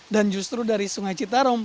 dan justru dari sungai citarum